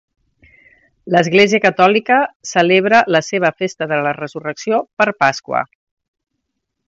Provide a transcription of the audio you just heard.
L'Església Catòlica celebra la seva festa de la resurrecció per Pasqua.